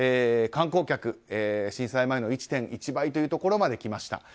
観光客、震災前の１．１倍というところまで来ました。